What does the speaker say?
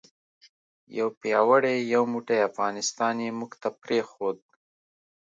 یو پیاوړی یو موټی افغانستان یې موږ ته پرېښود.